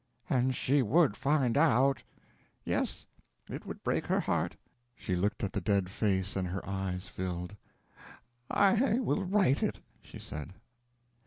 "And she would find out." "Yes. It would break her heart." She looked at the dead face, and her eyes filled. "I will write it," she said.